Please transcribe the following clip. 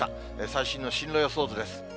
最新の進路予想図です。